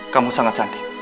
kamu sangat cantik